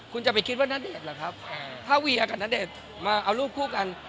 คุณจะไปคิดว่าณเดชน์เหรอครับถ้าเวียกับณเดชน์มาเอารูปคู่กัน